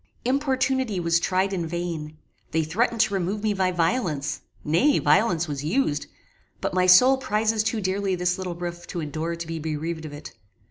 Importunity was tried in vain: they threatened to remove me by violence nay, violence was used; but my soul prizes too dearly this little roof to endure to be bereaved of it.